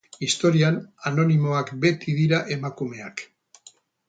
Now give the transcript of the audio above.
Historian, anonimoak beti dira emakumeak.